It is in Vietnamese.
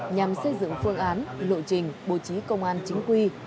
nhằm xây dựng phương án lộ trình bố trí công an chính quy